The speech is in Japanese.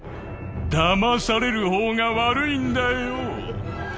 だまされる方が悪いんだよ。